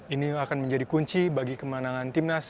ini akan menjadi kunci bagi kemenangan timnas